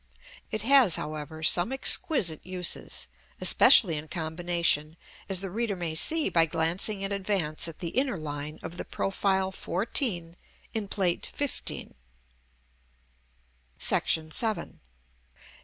It has, however, some exquisite uses, especially in combination, as the reader may see by glancing in advance at the inner line of the profile 14 in Plate XV. § VII.